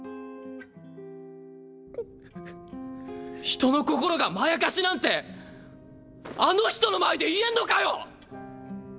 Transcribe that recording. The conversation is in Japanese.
人の心がまやかしなんてあの人の前で言えんのかよ